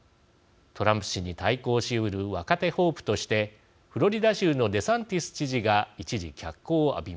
トランプ氏に対抗しうる若手ホープとしてフロリダ州のデサンティス知事が一時脚光を浴びました。